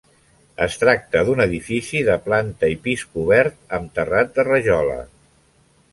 Es tracta d'un edifici de planta i pis cobert amb terrat de rajola.